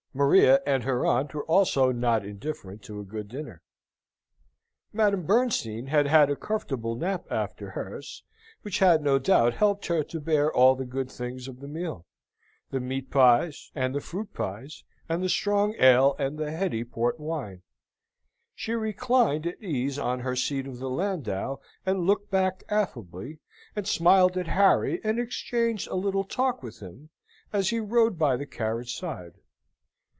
Maria and her aunt were also not indifferent to a good dinner: Madame Bernstein had had a comfortable nap after hers, which had no doubt helped her to bear all the good things of the meal the meat pies, and the fruit pies, and the strong ale, and the heady port wine. She reclined at ease on her seat of the landau, and looked back affably, and smiled at Harry and exchanged a little talk with him as he rode by the carriage side.